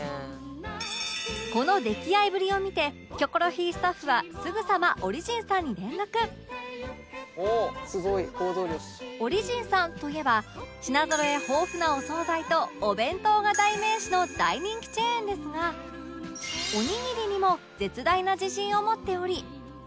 この溺愛ぶりを見て『キョコロヒー』スタッフはすぐさま「おお！」「すごい！行動力」オリジンさんといえば品ぞろえ豊富なお惣菜とお弁当が代名詞の大人気チェーンですがおにぎりにも絶大な自信を持っており